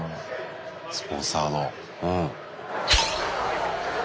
スポンサーの。